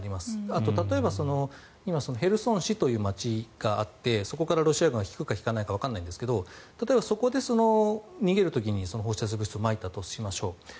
あと、例えばヘルソン市という街があってそこからロシア軍は引くか引かないかわからないですが例えばそこで逃げる時に放射性物質をまいたとしましょう。